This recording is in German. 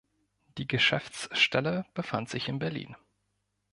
Die Geschäftsstelle befand sich in Berlin.